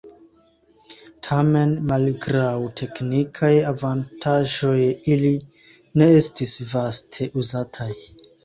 Tamen malgraŭ teknikaj avantaĝoj ili ne estis vaste uzataj.